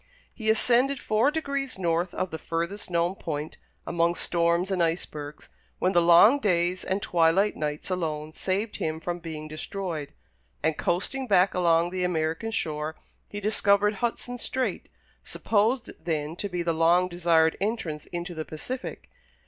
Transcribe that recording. He ascended four degrees north of the furthest known point, among storms and icebergs, when the long days and twilight nights alone saved him from being destroyed, and, coasting back along the American shore, he discovered Hudson Strait, supposed then to be the long desired entrance into the Pacific.